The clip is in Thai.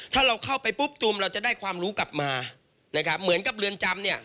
ถ้าเราเข้าไปปุ๊บตูมเราจะได้ความรู้กลับมานะครับเหมือนกับเรือนจำเนี่ย